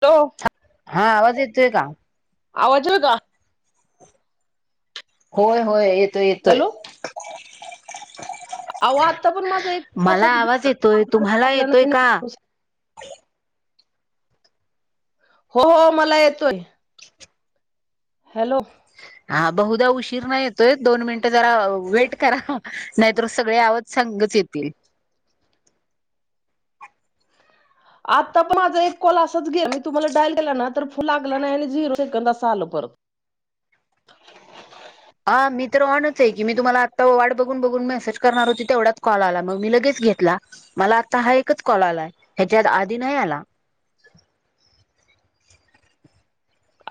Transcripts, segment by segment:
तो हा आवाज येतोय का? आवाज झल का? होय होय येतोय येतोय. आहो आत्ता पण माझा एक मला असाच आवाज येतोय तुम्हाला गेला येतोय का [unintelligible] हो हो मला येतोय. हॅलो हा बहुधा उशीरना येतोय दोन मिनिटं जरा वेट करा नाहीतर सगळे आव संग च येतील. आत्ता पण माझ एक कॉल आसच गेला मी तुम्हाला डायल केला ना तर फु लागला नाय आणि झिरो सेंकंद असं आलो परत हा मी तर ऑनच ये की मी तुम्हाला आत्ता वाट बघून बघून मेसेज करणार होती तेवढाच कॉल आला मग मी लगेच घेतला. मला आता हा एकच कॉल आलाय ह्याच्यात आधी नाही आला.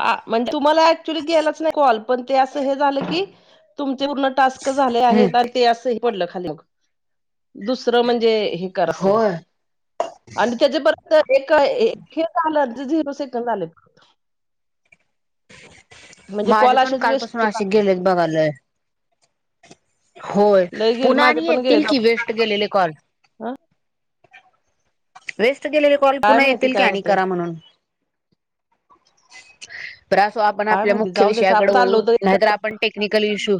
आ मण तुम्हाला ऍक्च्युली गेलाच नाय कॉल पण ते असं हे झालं की तुमचे उलट टास्क झाले हम्म आहेत आण ते असं बोललं खाली दुसरं म्हणजे हे कार असं होय आणि त्याच्यापर्यंत एक हे हे झालं. झिरो सेकंड आलेत. म्हणजे माझे कॉल पण असेच वेस्ट कालपासून असे जातात गेलेत बघा लय. होय लय गेले पुन्हा माझे आणि पण गेले. येतील की वेस्ट गेलेले कॉल वेस्ट गेलेले कॉल काय पुन्हा माहिती येतील की काय आणि होतंय करा म्हणून तर असो आपण काय आपल्या माहिती मुख्य जाऊ द्याच विषयाकड आपलं आलो वळू नायतर होत आपण टेक्निकल इशू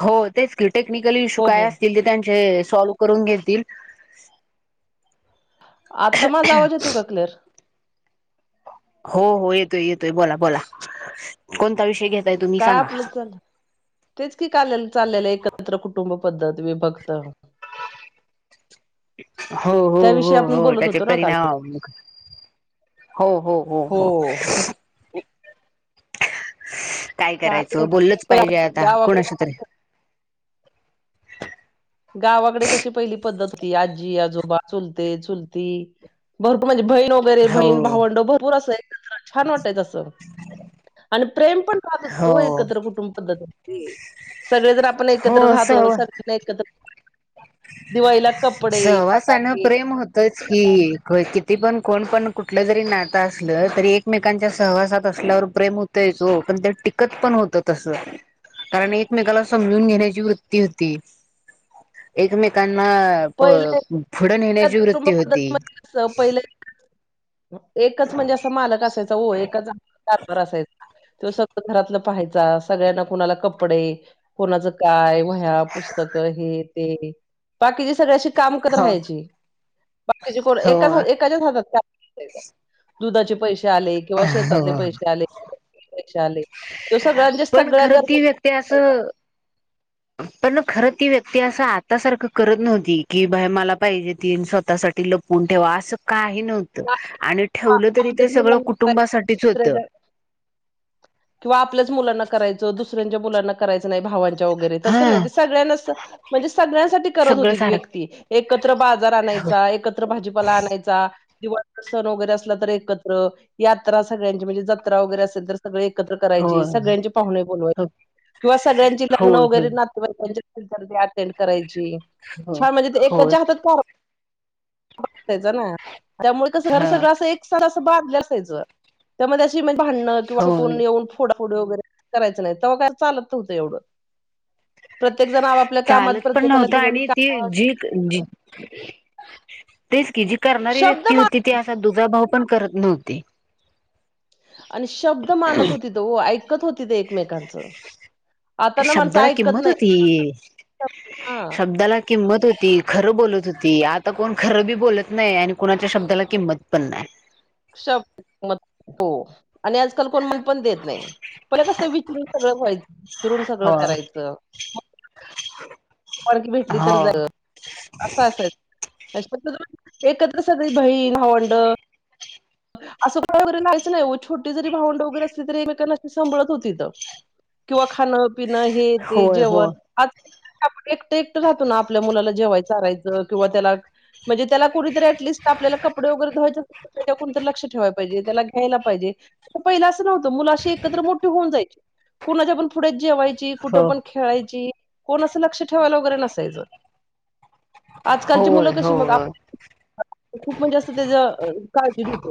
हो तेच ते टेक्निकल इश्यू हो काय हो असतील ते त्यांचे सॉल्व करून घेतील. आत्ता माझ आवज येतोय का क्लिअर हो हो येतोय येतोय बोला बोला कोणता विषय घेत काय आपलं चाललं तेच की काललं चाललेलं एकत्र कुटुंब पद्धत विभक्त हो हो त्याविषयी हो आपण हो बोलत त्याचे होतो ना काल परिणाम हो हो हो हो काय करायचं माहिती. बोललच पाहिजे पहिले आता गावाकडे कोणाशी तरी गावाकडे कशी पहिली पद्धत होती आजी, आजोबा, चुलते, चुलती भरपूर म्हणजे बहीण वगैरे हो बहीण भावंड भरपूर असं एकत्र छान वाटायच असं आणि प्रेम पण राहतं होत हो एकत्र कुटुंब पद्धतीती सगळे जण आपण एकत्र हो राहतो सगळ्यांनं एकत्र दिवाळीला कपडे, सहवासान फटाके प्रेम होत तेच की किती पण कोण पण कुठलं जरी नातं असलं तरी एकमेकांच्या सहवासात असल्यावर प्रेम होतय ओ पण ते टिकत पण होत तस कारण एकमेकाला समजून घेण्याची वृत्ती होती. एकमेकांना प पहिले पुढ नेण्याची वृत्ती होती. स, पहिले एकच म्हणजे असं मालक असायचा वो, एकच रात्रभर असायचा. त्यो स्वतःता सगळं घरातलं पाहायचा, सगळ्यांना कुणाला कपडे कोणाचं काय वह्या, पुस्तक हे, ते बाकीचे सगळे अशी काम करत हो राहायची बाकीचे कोण, हो एका एकाच्या हातात कारभार असायचा, दुधाचे पैसे आले किंवा शेतातले हो, पैसे आले. पैशे आले. तो सगळ्यांच्या पण सगळ्या खरं गरजा ती व्यक्ती भागवायचा. असं पण खरं ती व्यक्ती असं, आता सारखं करत नव्हती. की बाय मला पाहिजे ती, स्वतःसाठी लप वूण ठेवा असं काही नव्हतं, आणि ठेवलं तरी ते आपल्याच सगळं मुलांना करायचा कुटुंबासाठीच दुसऱ्याच्या होतं. किंवा आपल्याच मुलांना करायचं, दुसऱ्यांच्या मुलांना करायचं नाही भावांच्या वगैरे, तसं नाही हा ते सगळ्यांनाच सा म्हणजे सगळ्यांसाठी करत सगळं होती ती सारख व्यक्ती. एकत्र बाजार आणायचा एकत्र भाजीपाला आणायचा. दिवाळीचा सण वगैरे असला तर एकत्र, यात्रा सगळ्यांची म्हणजे जत्रा वगैरे असेल तर सगळे एक एकत्र होय करायची. सगळयांची पाहुणे बोलवायची किंवा सगळ्यांची पाहुणे होय वैगेरे होय नातं बायकाच्या चुलत्याच्या अटेंड करायची. हो छान म्हणजे होय एकाच्या हातात कार ब असायचं ना, त्यामुळे कसं घर ह सगळं असं एक साथ असं बाधल असायचं. त्या मध्ये अशी म भांडणं किंवा अस होय कोण येऊन फोडाफुड वगैरे करायचं नाही, तवा काय चालत नव्हत एवढं. प्रत्येक जण आपआपल्या कामात चालत पण प्रत्येकाला नव्हतं दिलेली आणि ती कामं [unintelligible] तेच की, जी करणारी शब्द व्यक्ती मान होती ती अस दुजाभाव पण करत नव्हती. आणि शब्द मानत होतीत वो. ऐक कत होती ते एकमेकांच, आता ना माणसं शब्दाला ऐकत किंमत नाही. हा [unintelligible] किंमत होती, खरं बोलत होती. आता कोण खरं बी बोलत नाही आणि कोणाच्या शब्दाला किंमत पण नाही. शब्द म, हो. आणि आजकाल कोण किंमत पण देत नाही, तेला कसं विचरून सगळं व्हायचं विचरून सगळं हो करायचं. कारण की भेटली तर जाव हो असं असायच, म्ह फक्त एकत्र अस सगळी बहीण, भावंड असं का वगैरे नाहीचं नाही, छोटी जरी भावंडं वगैरे असली तरी एकेकांनाशी सांबाळत होतीत. किंवा खाणं -पिणं हे ते होय हो जेवण, आज आपण एकट -एकट जातो ना आपल्या मुलाला जेवाय चारायचं किंवा त्याला म्हणजे त्याला कुणीतरी ॲलिस्ट आपल्याला कपडे वगैरे धुवायचे असत्यात. कोणतर लक्ष ठेवाय पाहिजे, त्याला घ्यायला पाहिजे, पहिलं असं नव्हतं मुलं अशी एकत्र मोठी होऊन जायची. कोणाच्यापण फुड्यात जेवायची कुठ हो पण खेळायची, कोण अस लक्ष ठेवायला वगैरे नसायच. आजकालची होय मुलं कशी मग, होय आप खूप म्हणजे असत त्येज काळजी नव्हती.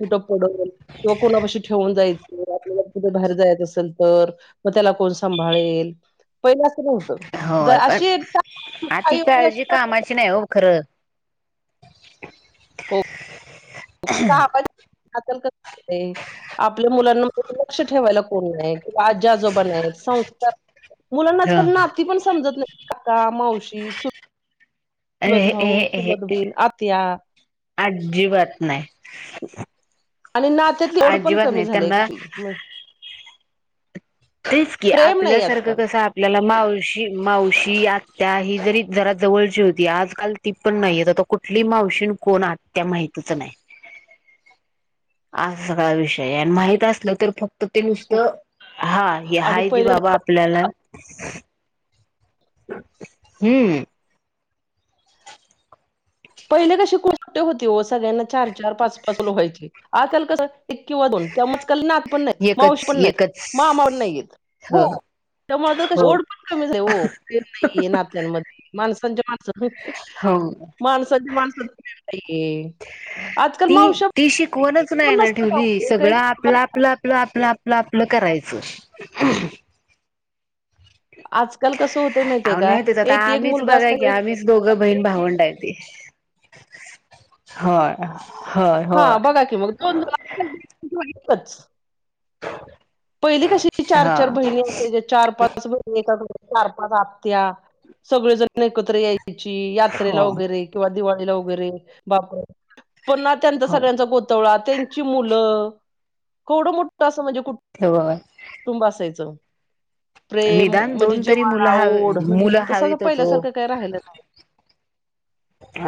कुठं पडल किंवा कोणापशी ठेवून जायच. कुठे बाहेर जायाच असेल तर, मग त्याला कोण सांभाळेल. पहिला असं नव्हतं. जर होय, पण अशी अती आई वगैरे अशी काळजी टाकून कामाची नाही द्यायची. हो. खर. [unintelligible] आपल्या मुलांना लक्ष ठेवायला कोण नाही, किंवा आजी- आजोब नाहीत. संस्कार मुलांना ह आजकाल नाती पण समजत नाही, काका -मावशी, चु ए हे हे ये हे बहीण, आत्या आजीबात नाय. आणि नात्यातली ओड पण कमी झाले त्यांना एचुली. तेच की प्रेम नाही आपल्यासारखं आजकाल कसं आपल्याला मावशी मावशी आत्त्या ही जरी जरा जवळची होती. आजकाल ती पण नायेत कुठली मावशीण कोण आत्या माहितीच नाय. असा सगळा विषय आय आणि माहित असलं तर फक्त ते हो नुसतं हा आणि हायती पहिले बाबा आपल्याला. हम्. पहिले कशी कुठं होते हो सगळ्यांना चार चार पाच पाच व्हायचे आजकाल कस एक किंवा दोन त्यामुळं आजकाल नात पण नाय मावशी एकच पण नाय एकच मामा पण नाहीयेत. हो ह त्यामुळे हो ओड पण कमीच झालिये ओ प्रेम नाईये ना. त्यांन मध्ये माणसांच्या माणसं हो. माणसे आजकाल ती मावश्या ती शिकवणच नाय पण ना नसतात ठेवली अहो एक सगळं एक आपला आपलं आपलं आपलं आपलं आपलं करायचं. आजकाल कसं होत माहित आय अहो का नाही तेच आता एक एक आम्हीच मुलगा बघा की असावा एक आम्हीच दोघं बहीण भावंड हायती हो. हा बघा की मग दोन झाल दोघींचं [inaudible] पहिली कशी चार हा चार बहिणी होत्या चार पाच बहिणी एका घरात चार पाच आत्या. सगळेजण एकत्र यायची यात्रेला हो वगैरे. किंवा दिवाळीला वगैरे बापर पुन्हा त्यांचा हो सगळ्यांचा गो तवळा त्यांची मुलं केवढ मोठ अस म्हणजे कु ठेव का बाय? टुंब असायचं. प्रेम निदान म्हणजे दोन तरी मुलं जीवाळा ओढ हवी मुलं तसं आता हवीतच ओ. पहिल्यासारखं काय राहिलं नाय.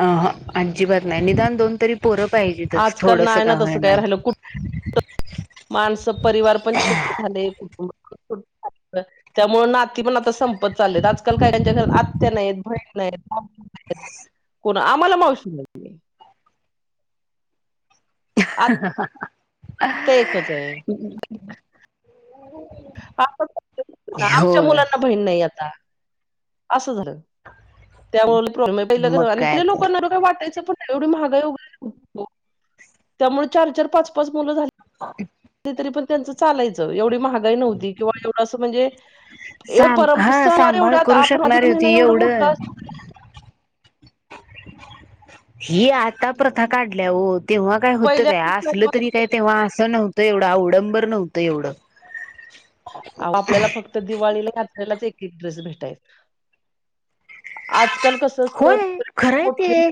अ हा अजिबात नाय निदान दोन तरी पोरं पाहिजेत. आजकाल नाय तसं काय राहिलं कुठ माणसं परिवार पण छोटे झाले कुटुंब पण त्यामुळ नाती पण आता संपत चाललेत आजकाल कायकाय यांच्या घरात आ त्या नायत बहीण नाय भाव नायत कोण आम्हाला मावशी नाय. आता एकच आहे [unintelligible] आमच्या होय मुलांना बहीण नाय आता. असं झालं त्यामुळ प्रॉब्लेम मग काय पहिलं तर. लोकांना अस काय वाटायचं पण एवढी महागाई [inaudible] न्हवती ओ त्यामुळ चार चार पाच पाच मुलं झाली. [inaudible] ती तरी पण त्यांचं चालायचं एवढी महाग गाय न्हवती किंवा एवढ अस म्हणजे परम सम वार एवढे आता नारी होती एवढं. ही आता प्रथा काढल्या ओ तेव्हा काय हुत पहिल्या काय असलं सणवार तरी होते काय ना, तेव्हा असं नव्ह त एवढं आवडंबर नव्हतं एवढं. आपल्याला फक्त दिवाळीला यात्रेलाच एक एक ड्रेस भेटाय. आज काल होय... खरंय ते...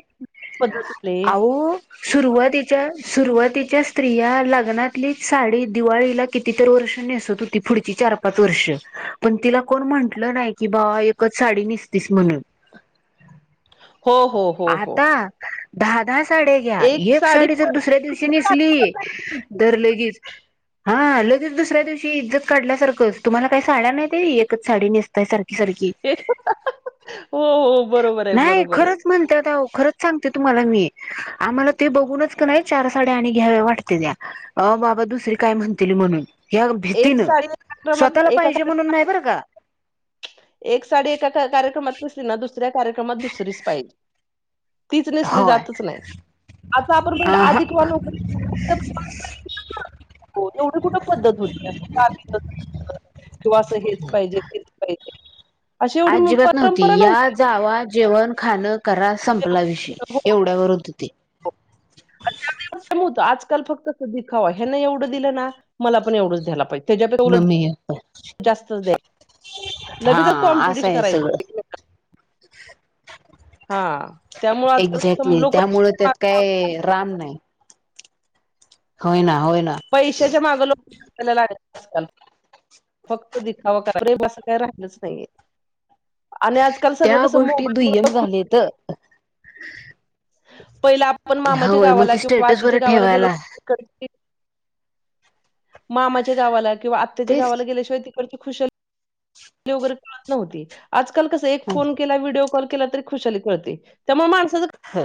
पद्धत आले आवो सुरवातीच्या... सुरुवातीच्या स्त्रिया.. लग्नातलीच साडी... दिवाळीला कितीतर वर्ष नेसत होती... पुढची चार पाच वर्ष पण तिला कोण म्हंटलं नाई की बा... एकच साडी निसतीस म्हणून हो हो हो हो आता... धा.. धा साड्या घ्या... एक साडी जर दुसऱ्या दिवशी नेसली... तर लगीच हा लगेच दुसऱ्या दिवशी... इज्जत काढल्यासारखं... तुम्हाला काय साड्या नाहीत.. एकच साडी नेसताय सारखी सारखी. ए... हंहहं... हो हो. बरोबर आहे, न्हाई... बरोबर आहे. खरंच म्हण त्यात अवो... आता खरंच सांगते तुम्हाला मी... आम्हाला ते बघूनच की नई... चार साड्या आणि घ्याव्या वाटत्याता. अं बाबा... दुसरी काय म्हणतील म्हणून. ह्या एक भीतीनं... साडी एका क्रमात स्वतःला एका पाहिजे म्हणून नाई कार्यक्रमात बरं का एक साडी... एका कार्यक्रमात [unintelligible] ना... दुसऱ्या कार्यक्रमात दुसरीच पाहिजे. तीच नेसली होय जातच नाई... आता आपण अ बघीतलं... आधिक [unintelligible] हो... एवढी कुठं पद्धत होती... [inaudible] किंवा असं.. हेच पाहिजे.. तेच पाहिजे. अशी एवढी मग आजिबात नव्हती... परंपरा या... जावा... जेवण... खाणं करा... संपला विषय... हो. एवढ्यावर होतं ते. कमी होतं... [unintelligible] आजकाल फक्त कसं दिखावा... ह्यानं एवढं दिलं ना... मला पण एवढंच द्यायला पाहिजे. त्याच्याकडे उलट.. मम्मी जास्तच द्यायचं... हा लगेचचं असं कॉम्पिटिशन आहे करायचं. सगळं हा... त्यामुळं.. आजकाल लोक कशी [unintelligible] हे राम नाई. होय ना... होय ना. पैशाच्या मागं लोकं... धावायला लागल्यात... आजकाल. फक्त दिखावा करायचा.... प्रेम असं काय राहिलंच नइये. आणि आजकाल सगळं कसं मोबाईलमुळं [unintelligible] लेतं. पहिलं आपण... मामाच्या होय मग गावाला... ते किंवा स्टेटस वर आजीच्या गावाला गेलं ठेवायला कि कधी... मामाच्या गावाला किंवा आत्त्याच्या गावाला तेच गेल्याशिवाय तिकडची खुशा हाली वगैरे कळतं नव्हती... आज काल कसं... एक फोन केला... व्हिडिओ कॉल केला तरी खुशाली कळती. त्यामुळे माणसाचं हो.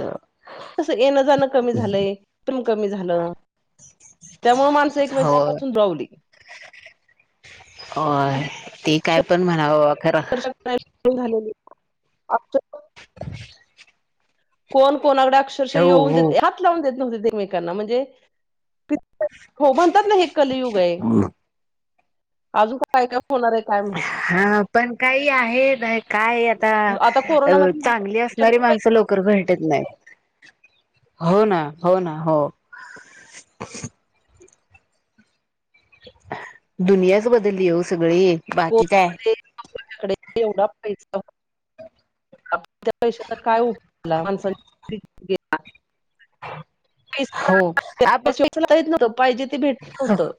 तसं... येणं जाणं कमी झालंय... प्रेम कमी झालं. त्यामुळे... माणसं होय एकमेकांपासून दुरावली. होय. ते काय अक्षरशः पण म्हणा बाबा... खरं [unintelligible] [inaudible] कोण कोणाकडे अक्षरशः हो येऊन देत... हो हात लावून देत नव्हते... एकमेकांना... म्हणजे हो... म्हणतात ना... हे कलयुग ए. अजून पण काय काय होणार ए... काय माहित? हा पण... काई आहे... काय आता... आता अं... कोरोनामध्ये चांगली अस -नारी माणसं... लवकर भेटत नाहीत. हो ना... हो ना... हो. दुनियाच बदललीय ओ सगळी! बाकी काय [unintelligible] [unintelligible] हो पैसा आपण [unintelligible] पाहिजे ते भेटत नव्हतं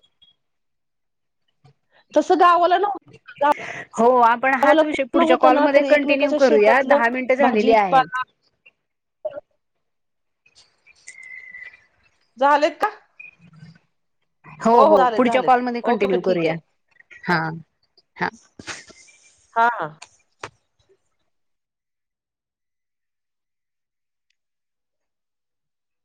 तसं गावाला नव्ह [inaudible] हो आपण हाच विषय कोण पुढच्या होतं ना कॉलमध्ये तर कंटिन्यू एकमेकाच्या करूया शेतातलं दहा मिनिटं झालेली भाजी आहेत. [inaudible] झालेत का? हो हो झालेत पुढच्या झालेत कॉलमध्ये ओके ओके कंटिन्यू ठीक करूया आहे हा हा. हा हा!